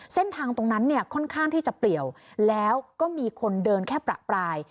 เส้นทางตรงนั้นเนี่ยค่อนข้างที่จะเปลี่ยวแล้วก็มีคนเดินแค่ประปราย